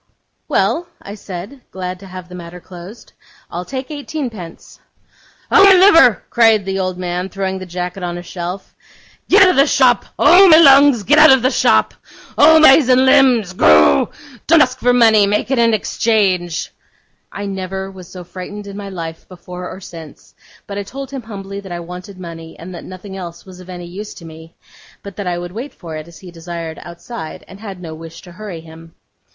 'Well,' said I, glad to have closed the bargain, 'I'll take eighteenpence.' 'Oh, my liver!' cried the old man, throwing the jacket on a shelf. 'Get out of the shop! Oh, my lungs, get out of the shop! Oh, my eyes and limbs goroo! don't ask for money; make it an exchange.' I never was so frightened in my life, before or since; but I told him humbly that I wanted money, and that nothing else was of any use to me, but that I would wait for it, as he desired, outside, and had no wish to hurry him.